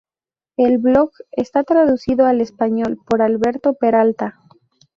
El blog está traducido al Español por Alberto Peralta.